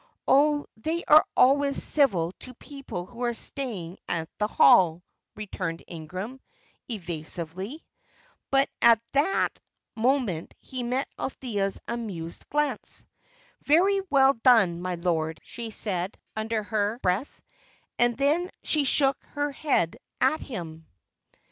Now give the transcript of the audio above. "Oh, they are always civil to people who are staying at the Hall," returned Ingram, evasively. But at that moment he met Althea's amused glance. "Very well done, my lord," she said, under her breath; and then she shook her head at him.